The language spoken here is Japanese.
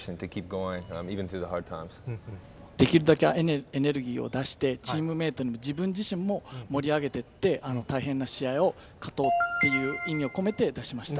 できるだけエネルギーを出して、チームメートも自分自身も盛り上げていって、大変な試合を勝とうっていう意味を込めて出しました。